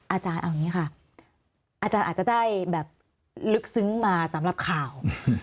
อาจารย์เอาอย่างนี้ค่ะอาจารย์อาจจะได้แบบลึกซึ้งมาสำหรับข่าว